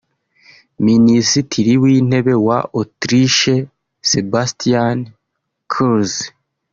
Minisitiri w’intebe wa Autriche Sebastian Kurz